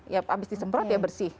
ya abis disemprot ya bersih